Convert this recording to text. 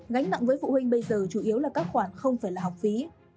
gánh nặng với phụ huynh bây giờ chủ yếu là các khoản không phải là học phí